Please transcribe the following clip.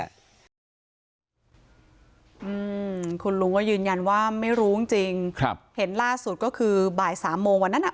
อืมคุณลุงก็ยืนยันว่าไม่รู้จริงจริงครับเห็นล่าสุดก็คือบ่ายสามโมงวันนั้นอ่ะ